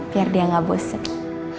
biar dia gak bos lagi